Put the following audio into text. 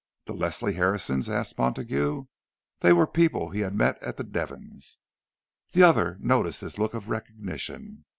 "The Leslie Harrisons?" asked Montague. (They were people he had met at the Devons'.) The other noticed his look of recognition.